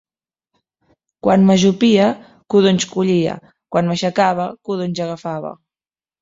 Quan m’ajupia, codonys collia. Quan m’aixecava, codonys agafava.